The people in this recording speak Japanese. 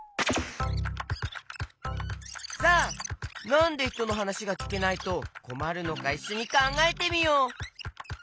さあなんでひとのはなしがきけないとこまるのかいっしょにかんがえてみよう。